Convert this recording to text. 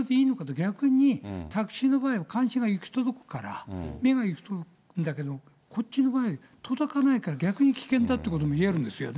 逆に、宅地の場合は監視が行き届くから、目が行き届くんだけど、こっちの場合、目が届かないから、逆に危険だということも言えるんですよね。